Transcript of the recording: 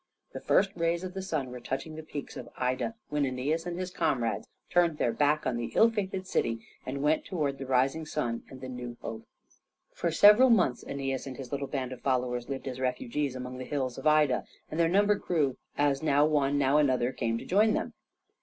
The first rays of the sun were touching the peaks of Ida when Aeneas and his comrades turned their backs on the ill fated city, and went towards the rising sun and the new hope. For several months Æneas and his little band of followers lived as refugees among the hills of Ida, and their numbers grew as now one, now another, came to join them.